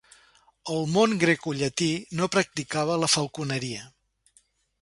El món grecollatí no practicava la falconeria.